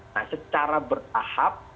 nah secara bertahap